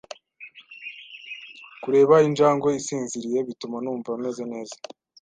Kureba injangwe isinziriye bituma numva meze neza.